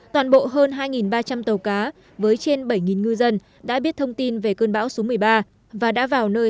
toàn bộ hơn hai ba trăm linh tàu cá với trên bảy ngư dân đã biết thông tin về cơn bão số một mươi ba và đã vào nơi